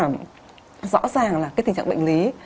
rõ ràng là cái tình trạng bệnh lý